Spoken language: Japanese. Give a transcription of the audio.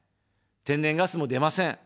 天然ガスも出ません。